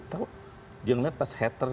dia tau dia ngeliat pas hater